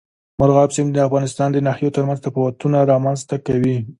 مورغاب سیند د افغانستان د ناحیو ترمنځ تفاوتونه رامنځ ته کوي.